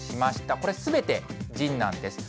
これ、すべてＺＩＮＥなんです。